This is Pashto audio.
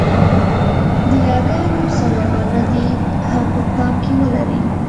د ی ګانو سمه بڼه دې هم په پام کې ولري.